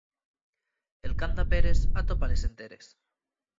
El qu'anda a peres, atópales enteres.